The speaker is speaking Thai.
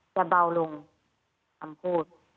จะเบาลงคำพูด